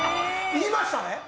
言いましたね？